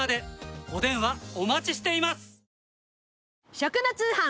食の通販。